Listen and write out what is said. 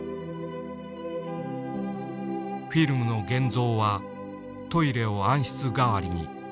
フィルムの現像はトイレを暗室代わりに。